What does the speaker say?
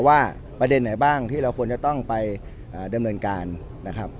ว่าประเด็นไหนบ้างที่เราควรจะต้องไปดำเนินการนะครับ